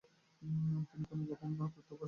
তিনি কোনো গোপন তথ্য ফাঁস করেননি।